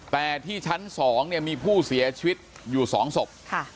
แต่ที่ชั้น๒มีผู้เสียชีวิตอยู่๒ศพ